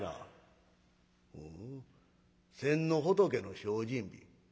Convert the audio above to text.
「ほう先の仏の精進日。